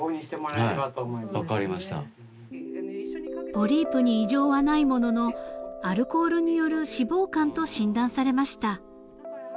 ［ポリープに異常はないもののアルコールによる脂肪肝と診断されました］